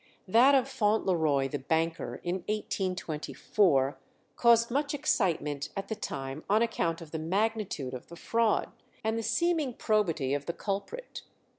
That of Fauntleroy the banker, in 1824, caused much excitement at the time on account of the magnitude of the fraud, and the seeming probity of the culprit.